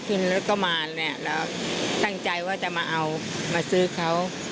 มีปลาสรุนมานี่ตั้งใจว่าจะมาเอามาซื้อเขา